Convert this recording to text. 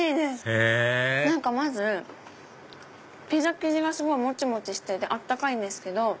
へぇピザ生地がすごいもちもちして温かいんですけど。